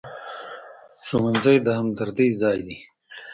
ښوونځی د همدرۍ ځای دی